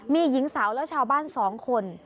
มีหญิงสาวและชาวบ้าน๒คน